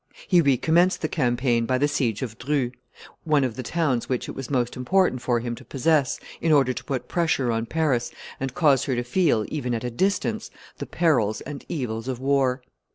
He recommenced the campaign by the siege of Dreux, one of the towns which it was most important for him to possess in order to put pressure on Paris, and cause her to feel, even at a distance, the perils and evils of war.